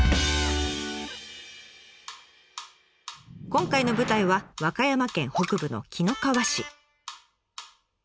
今回の舞台は和歌山県北部の紀の川市。